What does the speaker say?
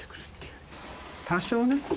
多少ね。